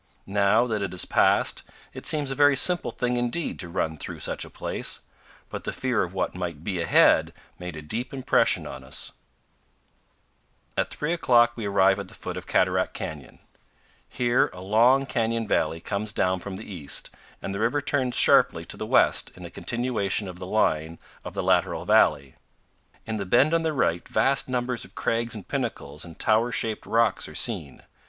Now that it is past, it seems a very simple thing indeed to run through such a place, but the fear of what might be ahead made a deep impression on us. 225 powell canyons 147.jpg PESCADO HOUSES. 226 CANYONS OF THE COLORADO. At three o'clock we arrive at the foot of Cataract Canyon. Here a long canyon valley comes down from the east, and the river turns sharply to the west in a continuation of the line of the lateral valley. In the bend on the right vast numbers of crags and pinnacles and tower shaped rocks are seen.